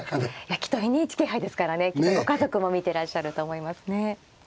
きっとＮＨＫ杯ですからねご家族も見てらっしゃると思いますね。